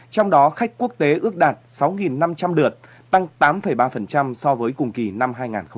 trong đó khách quốc tế ước đạt sáu năm trăm linh lượt tăng tám ba so với cùng kỳ năm hai nghìn một mươi tám